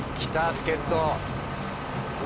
助っ人。